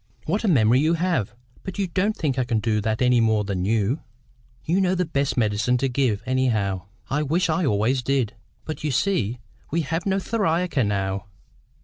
'" "What a memory you have! But you don't think I can do that any more than you?" "You know the best medicine to give, anyhow. I wish I always did. But you see we have no theriaca now."